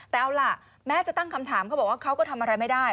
แต่เอาล่ะแม้จะตั้งคำถามเขาบอกว่าเขาก็ทำอะไรไม่ได้